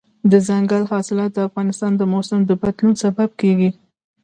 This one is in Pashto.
دځنګل حاصلات د افغانستان د موسم د بدلون سبب کېږي.